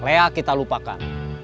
leah kita lupakan